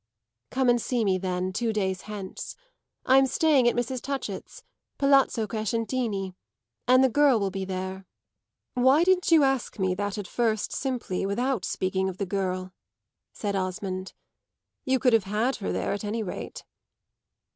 "Come and see me then, two days hence. I'm staying at Mrs. Touchett's Palazzo Crescentini and the girl will be there." "Why didn't you ask me that at first simply, without speaking of the girl?" said Osmond. "You could have had her there at any rate."